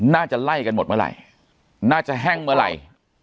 น่าจะไล่กันหมดเมื่อไหร่น่าจะแห้งเมื่อไหร่